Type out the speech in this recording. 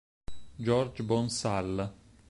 George Bon Salle